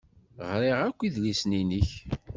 Ɣriɣ akk idlisen-nnek.